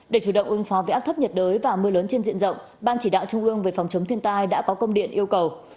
để chủ động ứng phó với áp thấp nhiệt đới và mưa lớn trên diện rộng ban chỉ đạo trung ương về phòng chống thiên tai đã có công điện yêu cầu